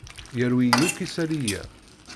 Yerwi-yi akk isali-a.